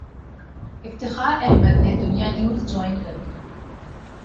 افتخار احمد نے Dunya News join کر لیا